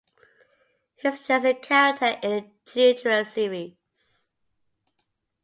He's just a character in a children's series.